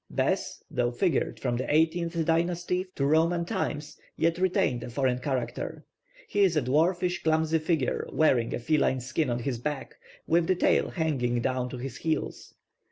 +Bēs+, though figured from the eighteenth dynasty to Roman times, yet retained a foreign character. He is a dwarfish, clumsy figure, wearing a feline skin on his back, with the tail hanging down to his heels.